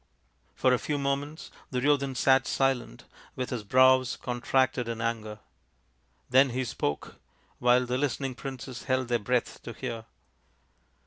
For a few moments Duryodhan sat silent, with his brows contracted in anger. Then he spoke, while the listening princes held their breath to hear.